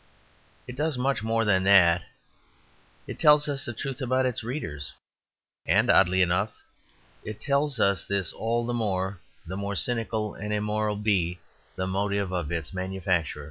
It does much more than that, it tells us the truth about its readers; and, oddly enough, it tells us this all the more the more cynical and immoral be the motive of its manufacture.